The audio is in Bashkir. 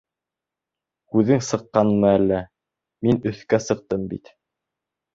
Күҙең сыҡҡанмы әллә, мин өҫкә сыҡтым бит!